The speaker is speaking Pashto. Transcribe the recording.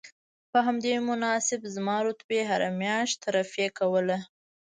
په همدې مناسبت زما رتبې هره میاشت ترفیع کوله